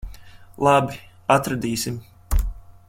Labi. Atradīsim.